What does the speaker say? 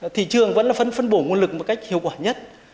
thị trường vẫn là phân bổ nguồn lực một cách hiệu quả nhất